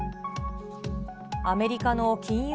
アメリカの金融